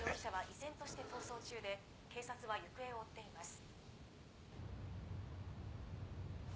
依然として逃走中で警察は行方を追っています。